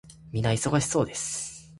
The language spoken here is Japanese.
皆忙しそうです。